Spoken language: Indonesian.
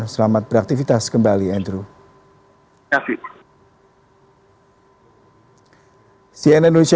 selamat beraktivitas kembali andrew